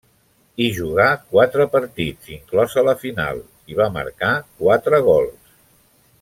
Hi jugà quatre partits, inclosa la final, i va marcar quatre gols.